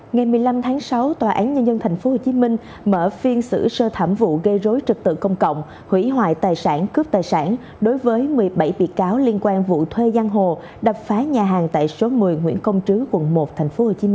ngày một mươi năm tháng sáu tòa án nhân dân tp hcm mở phiên xử sơ thảm vụ gây rối trực tự công cộng hủy hoại tài sản cướp tài sản đối với một mươi bảy bị cáo liên quan vụ thuê giang hồ đập phá nhà hàng tại số một mươi nguyễn công trứ quận một tp hcm